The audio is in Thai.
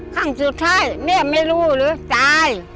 ข้างสุดท้ายเงียบไม่รู้หรือตาย